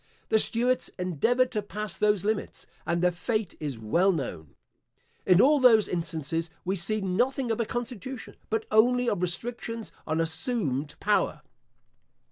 The Stuarts endeavoured to pass those limits, and their fate is well known. In all those instances we see nothing of a constitution, but only of restrictions on assumed power.